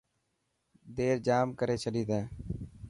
دير ڄام ڪري ڇڏي تين.